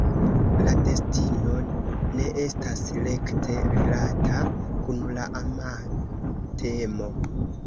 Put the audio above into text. La destino ne estas rekte rilata kun la ama temo.